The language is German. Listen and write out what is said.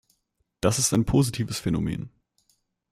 Das ist ein positives Phänomen.